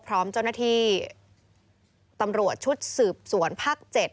พร้อมเจ้าหน้าที่ตำรวจชุดสืบสวนภาค๗